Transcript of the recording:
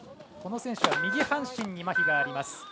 この選手は右半身にまひがあります。